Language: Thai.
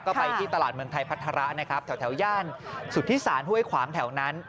ก็ไปที่ตลาดเมืองไทยพัฒระนะครับแถวย่านสุธิศาลห้วยขวางแถวนั้น